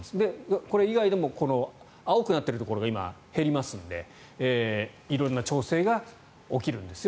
ここ以外にも青くなっているところが今、減りますので色んな調整が起きるんですよ